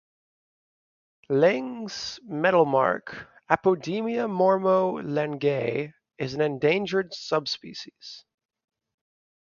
Lange's metalmark, "Apodemia mormo langei", is an endangered subspecies.